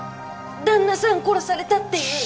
旦那さん殺されたっていう。